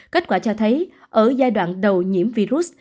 kết quả cho thấy ở giai đoạn đầu nhiễm virus